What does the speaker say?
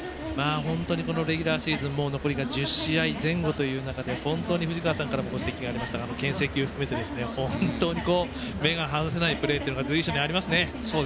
このレギュラーシーズン残りが１０試合前後という中で本当に藤川さんからもご指摘ありましたがけん制球含めて本当に目が離せないプレーというのが随所にありますね。